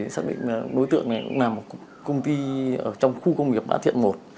xác định đối tượng này cũng là một công ty trong khu công nghiệp đã thiện một